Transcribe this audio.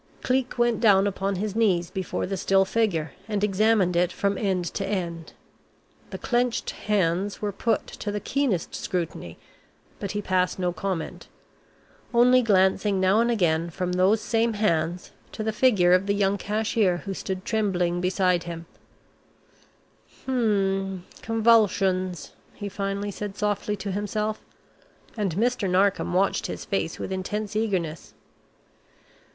Cleek went down upon his knees before the still figure, and examined it from end to end. The clenched hands were put to the keenest scrutiny, but he passed no comment, only glancing now and again from those same hands to the figure of the young cashier who stood trembling beside him. "Hmm, convulsions," he finally said softly to himself, and Mr. Narkom watched his face with intense eagerness.